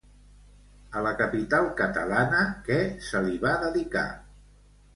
A la capital catalana, què se li va dedicar?